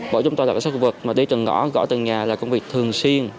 bọn chúng tôi là sát khu vực mà đi từng ngõ gọi từng nhà là công việc thường xuyên